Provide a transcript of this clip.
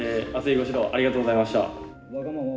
ご指導ありがとうございました。